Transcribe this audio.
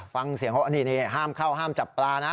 ฟังเสียงเขานี่ห้ามเข้าห้ามจับปลานะ